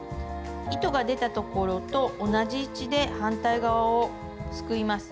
糸が出たところと同じ位置で反対側をすくいます。